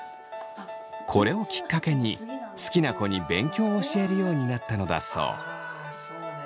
これをきっかけに好きな子に勉強を教えるようになったのだそう。